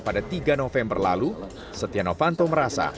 pada tiga november lalu setia novanto merasa